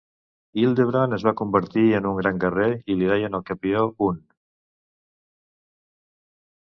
Hildebrand es va convertir en un gran guerrer i li deien el campió hun.